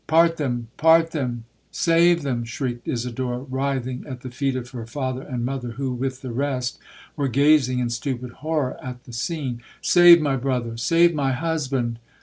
'Part them—part them—save them!' shrieked Isidora, writhing at the feet of her father and mother, who, with the rest, were gazing in stupid horror at the scene—'Save my brother—save my husband!'